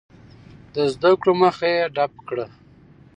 د زده کړو مخه یې ډپ کړه.